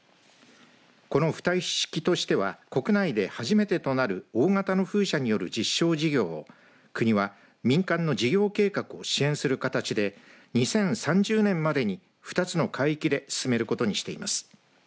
この浮体式としては国内で初めてとなる大型の風車による実証事業を国は民間の事業計画を支援する形で２０３０年までに２つの海域で進めることにしています。